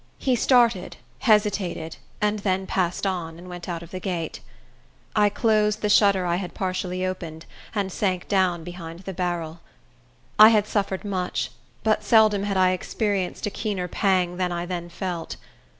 He started, hesitated, and then passed on, and went out of the gate. I closed the shutter I had partially opened, and sank down behind the barrel. I had suffered much; but seldom had I experienced a keener pang than I then felt.